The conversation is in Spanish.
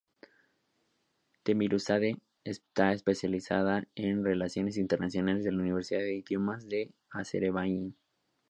Teymurzadə está especializada en Relaciones Internacionales de la Universidad de Idiomas de Azerbaiyán.